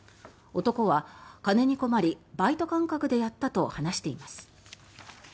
男は、金に困りバイト感覚でやったと話しています。